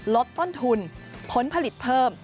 ลดต้นทุนผลผลิตเพิ่ม